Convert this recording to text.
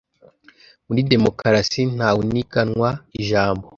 muri demokrasi ntawuniganwa ijambo